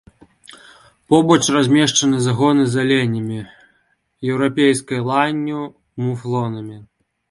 Побач размешчаны загоны з аленямі, еўрапейскай ланню, муфлонамі.